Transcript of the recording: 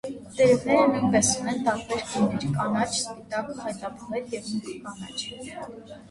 Տերևները նույնպես ունեն տարբեր գույներ՝ կանաչ, սպիտակ, խայտաբղետ և մուգ կանաչ։